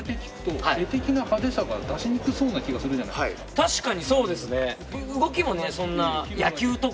確かにそうですね。